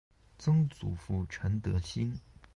曾祖父陈德兴。